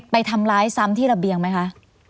ไปทำร้ายซ้ำที่ระเบียงไหมคะ